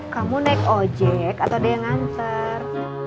kamu naik ojek atau dia yang nganter